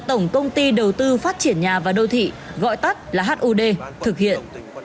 tổng công ty đầu tư phát triển nhà và đô thị gọi tắt là hud thực hiện